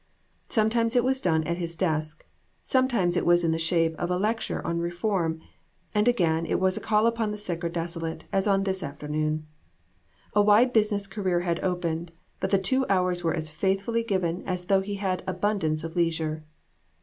Sometimes it was done at his desk, sometimes it was in the shape of a lecture on reform, and again it was a call upon the sick or desolate, as on this afternoon. A wide business career had opened, but the two hours were as faithfully given as though he had abundance of leisure.